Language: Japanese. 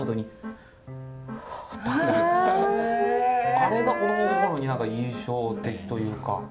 あれが子どもの頃に印象的というか。